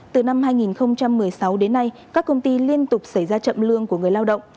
từ năm hai nghìn một mươi sáu đến nay các công ty liên tục xảy ra chậm lương của người lao động